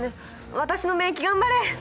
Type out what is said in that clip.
私の免疫頑張れ！